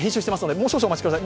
もう少々お待ちください。